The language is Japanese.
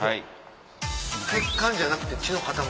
血管じゃなくて血の塊。